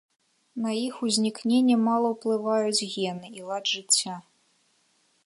На іх узнікненне мала ўплываюць гены і лад жыцця.